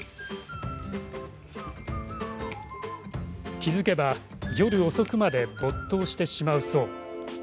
気付けば夜遅くまで没頭してしまうそう。